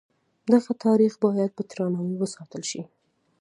دغه تاریخ باید په درناوي وساتل شي.